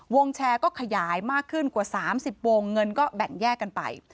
แชร์ก็ขยายมากขึ้นกว่า๓๐วงเงินก็แบ่งแยกกันไป